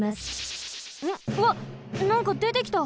うわっなんかでてきた。